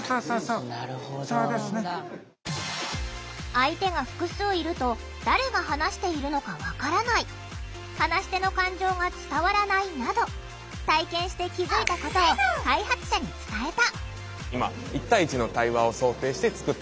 相手が複数いると誰が話しているのか分からない話し手の感情が伝わらないなど体験して気付いたことを開発者に伝えた。